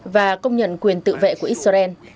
và công nhận quyền tự vệ của israel